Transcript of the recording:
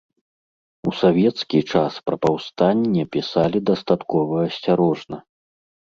У савецкі час пра паўстанне пісалі дастаткова асцярожна.